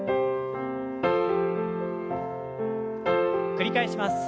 繰り返します。